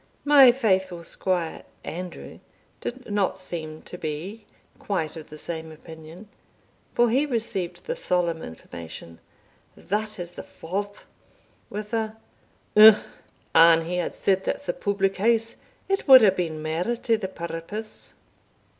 My faithful squire, Andrew, did not seem to be quite of the same opinion, for he received the solemn information, "That is the Forth," with a "Umph! an he had said that's the public house, it wad hae been mair to the purpose."